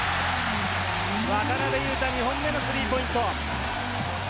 渡邊雄太、２本目のスリーポイント。